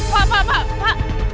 pak pak pak